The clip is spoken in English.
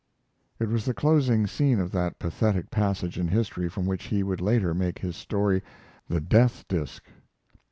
It was the closing scene of that pathetic passage in history from which he would later make his story, "The Death Disc."